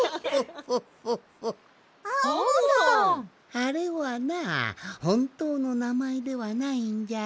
あれはなほんとうのなまえではないんじゃよ。